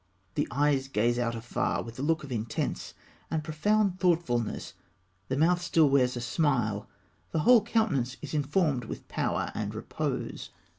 The eyes gaze out afar with a look of intense and profound thoughtfulness; the mouth still wears a smile; the whole countenance is informed with power and repose.